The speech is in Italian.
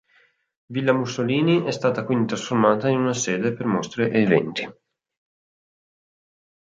Villa Mussolini è stata quindi trasformata in una sede per mostre e eventi.